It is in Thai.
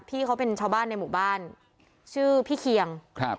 พี่เขาเป็นชาวบ้านในหมู่บ้านชื่อพี่เคียงครับ